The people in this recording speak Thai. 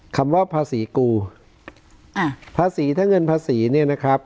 คำว่าภาษีกูอ่าภาษีถ้าเงินภาษีเนี่ยนะครับ